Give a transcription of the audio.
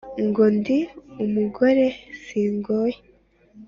ngo ndi umugore singoye